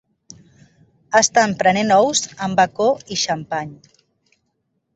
Estan prenent ous amb bacó i xampany.